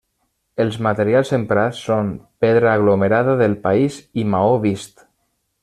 Els materials emprats són pedra aglomerada del país i maó vist.